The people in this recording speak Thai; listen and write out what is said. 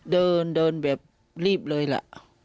เดินเดินแบบรีบเลยล่ะ